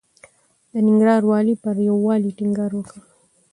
د ننګرهار والي پر يووالي ټينګار وکړ.